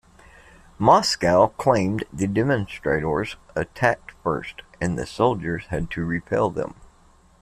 Moscow claimed the demonstrators attacked first and the soldiers had to repel them.